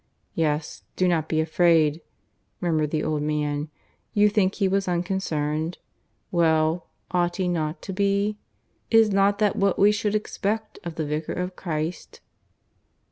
"Yes, do not be afraid," murmured the old man. "You think he was unconcerned? Well, ought he not to be? Is not that what we should expect of the Vicar of Christ?"